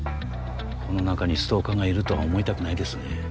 この中にストーカーがいるとは思いたくないですね。